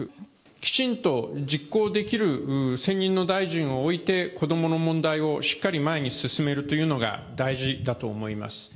きちんと実行できる専任の大臣を置いて、子どもの問題をしっかり前に進めるというのが大事だと思います。